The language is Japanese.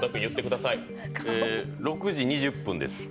えー、６時２０分です。